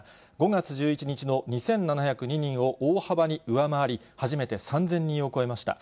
５月１１日の２７０２人を大幅に上回り、初めて３０００人を超えました。